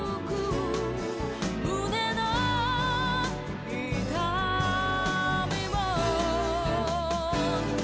「胸の痛みも」